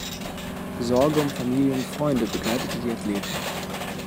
Sorge um Familie und Freunde begleitete die Athleten.